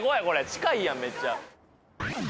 近いやんめっちゃ。